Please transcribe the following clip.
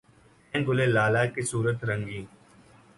ہیں گل لالہ کی صورت رنگیں